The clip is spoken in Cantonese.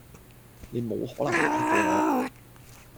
你冇可能快得過我